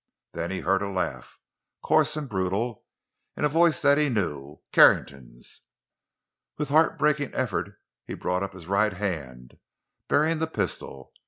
Then he heard a laugh—coarse and brutal—in a voice that he knew—Carrington's. With heartbreaking effort he brought up his right hand, bearing the pistol.